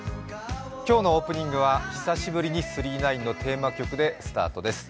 今日のオープニングは久しぶりに「９９９」のテーマ曲でスタートです。